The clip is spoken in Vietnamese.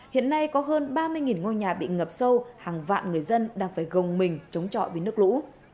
hiện nay có hơn ba mươi ngôi nhà bị ngập sâu hàng vạn người dân đang phải gồng mình chống trọi với nước lũ